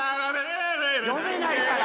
読めないから！